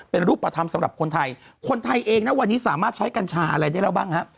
เป็นรูปธรรมสำหรับคนไทยคนไทยเองนะวันนี้สามารถใช้กัญชาอะไรได้แล้วบ้างฮะ